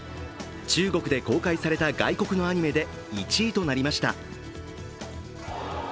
中国で公開された外国のアニメで１位となりました。